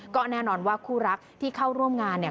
ก็แน่นอนว่าคู่รักที่เข้าร่วมงานเนี่ย